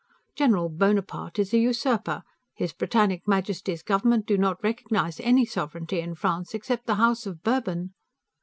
General Bonaparte is a usurper; His Britannic Majesty's government do not recognize any sovereignty in France except the House of Bourbon."